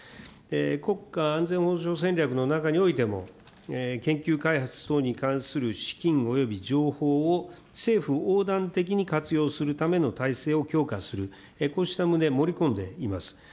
国家安全保障戦略の中においても研究開発等に関する資金および情報を政府横断的に活用するための体制を強化する、こうした旨、盛り込んでいます。